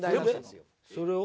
でそれを？